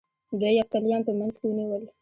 دوی یفتلیان په منځ کې ونیول